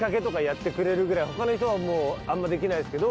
他の人はあんまできないですけど。